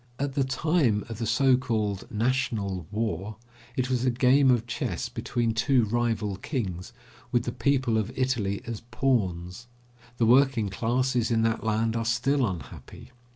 At the time of the so called national war, it was a game of chess between two rival kings, with the people of Italy as pawns. The working classes in that land are still unhappy.